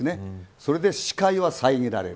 それで視界は遮られる。